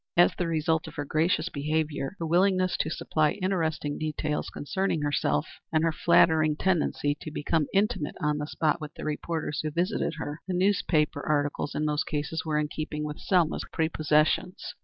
As the result of her gracious behavior, her willingness to supply interesting details concerning herself, and her flattering tendency to become intimate on the spot with the reporters who visited her, the newspaper articles in most cases were in keeping with Selma's prepossessions.